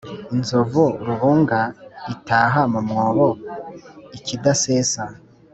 Inzovu rubunga itaha mu mwobo-Ikidasesa.